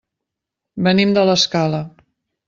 Venim de l'Escala.